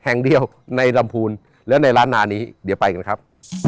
แห่งเดียวในลำพูนและในร้านนานี้เดี๋ยวไปกันนะครับ